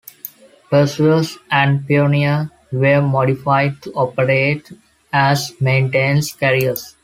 "Perseus" and "Pioneer" were modified to operate as maintenance carriers.